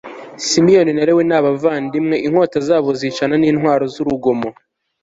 simeyoni na lewi ni abavandimwe inkota zabo zicana ni intwaro z urugomo